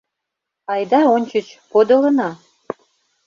Айда ончыч подылына.